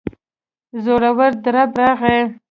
زورور درب راغی.